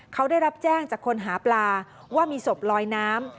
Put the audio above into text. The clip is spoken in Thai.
เขาได้รับแจ้งจากคนหาปลาว่ามีศพลอยน้ำ